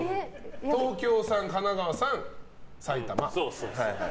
東京さん、神奈川さん、埼玉。